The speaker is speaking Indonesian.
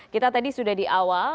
kita tadi sudah di awal